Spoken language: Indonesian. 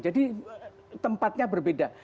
jadi tempatnya berbeda